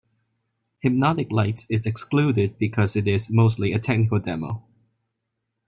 "Hypnotic Lights" is excluded because it is mostly a technical demo.